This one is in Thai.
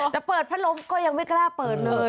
แต่เปิดพัดลมก็ยังไม่กล้าเปิดเลย